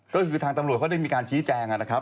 ก็คือทางตำรวจเขาได้มีการชี้แจงนะครับ